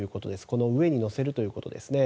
この上に載せるということです。